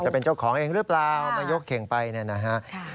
จะเป็นเจ้าของเองหรือเปล่ามายกเข่งไปเนี่ยนะฮะ